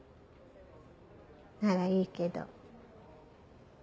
ならいいけど。